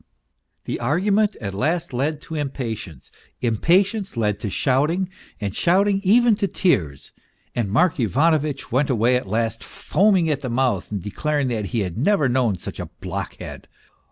The argument at last led to im patience, impatience led to shouting, and shouting even to tears ; and Mark Ivanovitch went away at last foaming at the mouth and declaring that he had never known such a block head.